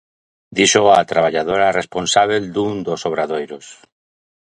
Díxoo a traballadora responsábel dun dos obradoiros.